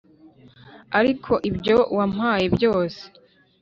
ariko ibyo wampaye byose